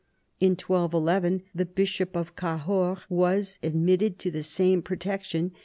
In 1211 the bishop of Cahors was admitted to the same protection.